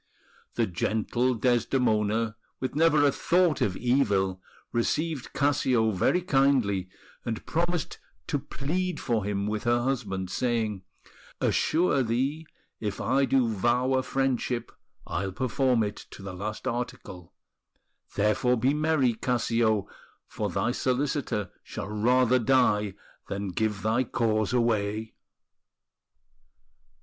The gentle Desdemona, with never a thought of evil, received Cassio very kindly, and promised to plead for him with her husband, saying: "... Assure thee, If I do vow a friendship I'll perform it To the last article ... Therefore, be merry, Cassio, For thy solicitor shall rather die Than give thy cause away!"